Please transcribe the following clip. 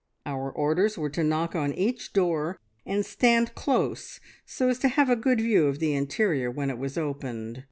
Our orders were to knock on each door and stand close so as to have a good view of the interior when it was opened.